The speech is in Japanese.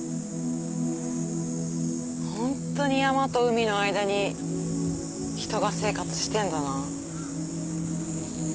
ホントに山と海の間に人が生活してんだな。